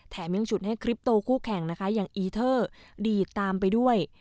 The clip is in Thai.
ยังฉุดให้คลิปโตคู่แข่งนะคะอย่างอีเทอร์ดีดตามไปด้วย